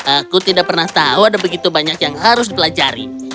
aku tidak pernah tahu ada begitu banyak yang harus dipelajari